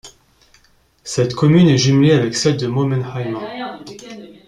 Cette commune est jumelée avec celle de Mommenheim.